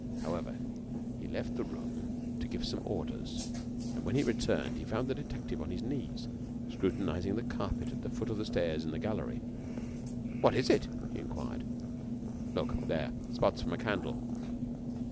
However, he left the room to give some orders, and when he returned he found the detective on his knees scrutinizing the carpet at the foot of the stairs in the gallery. "What is it?" he enquired. "Look.... there.... spots from a candle."